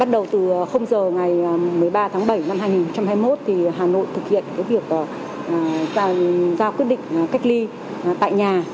đầu từ giờ ngày một mươi ba tháng bảy năm hai nghìn hai mươi một hà nội thực hiện việc giao quyết định cách ly tại nhà